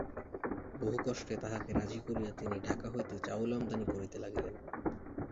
বহু কষ্টে তাঁহাকে রাজি করিয়া তিনি ঢাকা হইতে চাউল আমদানি করিতে লাগিলেন।